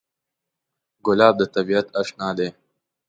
ګلاب د طبیعت اشنا دی.